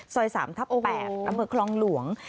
สร้อยสามทับแปดรำเอาคลองหลวง